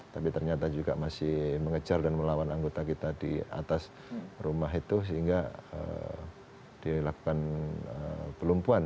tapi ternyata juga masih mengejar dan melawan anggota kita di atas rumah itu sehingga dilakukan pelumpuan